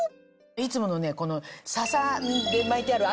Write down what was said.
いつものねこの笹で巻いてある鮎。